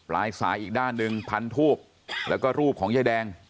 ลายสายอีกด้านหนึ่งพันทูบแล้วก็รูปของยายแดง